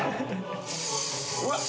うわっ！